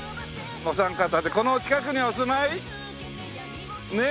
お三方この近くにお住まい？ねえ。